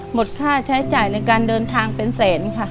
หมดค่าใช้จ่ายในการเดินทางเป็นแสนค่ะ